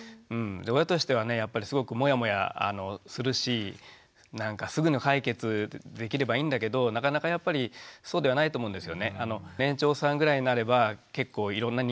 親としてはねやっぱりすごくモヤモヤするしすぐの解決できればいいんだけどなかなかやっぱりそうではないと思うんですよね。